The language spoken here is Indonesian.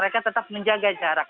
di tempat pengungsian